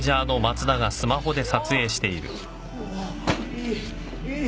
いいいい！